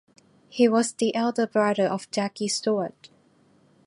He was the elder brother of Jackie Stewart.